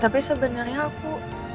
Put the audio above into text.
tapi sebenarnya aku